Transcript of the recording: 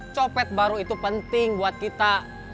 copet baru itu penting buat kita